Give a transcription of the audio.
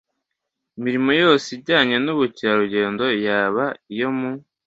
Imirimo yose ijyanye n'ubukerarugendo yaba iyo mu